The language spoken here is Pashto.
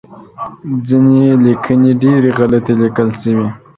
ځینې لیکنې ډیری غلطې لیکل شوی